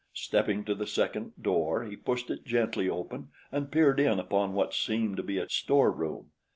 Stepping to the second door he pushed it gently open and peered in upon what seemed to be a store room.